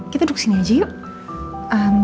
kita duduk sini aja yuk